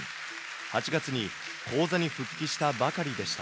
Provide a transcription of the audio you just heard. ８月に高座に復帰したばかりでした。